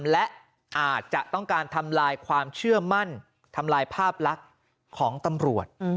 และอาจจะต้องการทำลายความเชื่อมั่นทำลายภาพลักษณ์ของตำรวจ